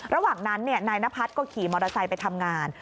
ระหว่างนั้นนายนพัฒน์ก็ขี่มอเตอร์ไซค์ไปทำงาน